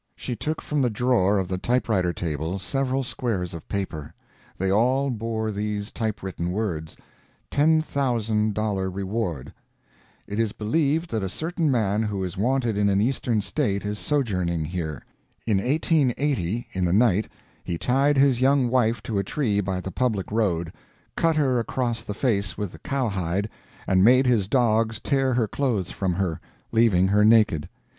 She took from the drawer of the type writer table several squares of paper. They all bore these type written words: $10,000 REWARD It is believed that a certain man who is wanted in an Eastern state is sojourning here. In 1880, in the night, he tied his young wife to a tree by the public road, cut her across the face with a cowhide, and made his dogs tear her clothes from her, leaving her naked.